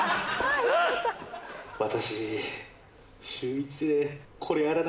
私。